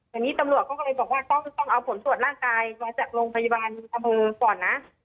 ทีนี้ตำรวจเขาก็เลยบอกว่าต้องเอาผลตรวจร่างกายมาจากโรงพยาบาลอำเภอก่อนนะ